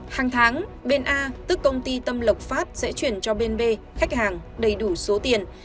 hàng tháng bên a tức công ty tâm lộc pháp sẽ chuyển cho bên b khách hàng đầy đủ số tiền